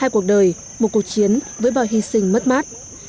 hai cuộc đời một cuộc chiến với bao hy sinh mất mát